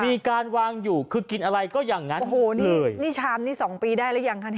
มีการวางอยู่คือกินอะไรก็อย่างนั้นโอ้โหนี่นี่ชามนี่สองปีได้หรือยังคะ